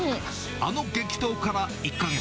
あの激闘から１か月。